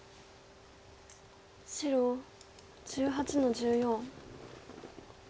白１８の十四。